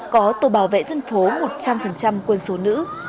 có tổ bảo vệ dân phố một trăm linh quân số nữ